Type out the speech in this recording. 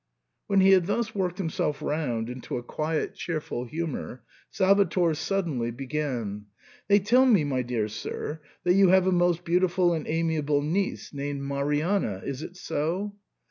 When he had thus worked himself round into a quiet cheerful humour, Salvator suddenly began —" They tell me, my dear sir, that you have a most beautiful and amiable niece, named Marianna — is it so